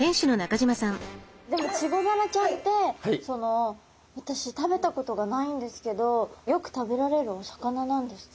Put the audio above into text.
でもチゴダラちゃんってその私食べたことがないんですけどよく食べられるお魚なんですか？